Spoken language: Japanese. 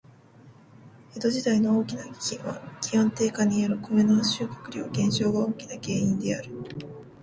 江戸時代の大きな飢饉は、気温低下によるコメの収穫量減少が大きな原因である。